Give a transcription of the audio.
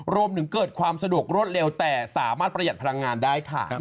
รวมถึงเกิดความสะดวกรวดเร็วแต่สามารถประหยัดพลังงานได้ค่ะ